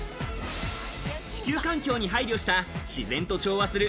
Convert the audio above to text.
地球環境に配慮した自然と調和する